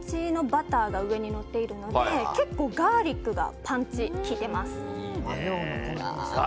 バターが上にのっているので結構ガーリックがパンチ効いています。